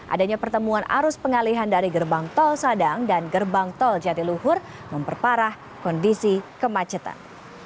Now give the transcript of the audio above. adanya pertemuan arus pengalihan dari gerbang tol sadang dan gerbang tol jatiluhur memperparah kondisi kemacetan